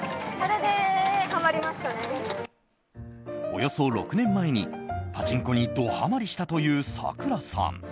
およそ６年前に、パチンコにドハマリしたというさくらさん。